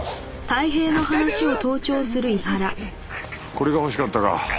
これが欲しかったか？